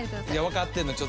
分かってんねん。